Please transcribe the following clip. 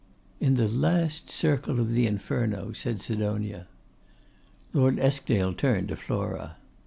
'In the last circle of the Inferno,' said Sidonia. Lord Eskdale turned to Flora.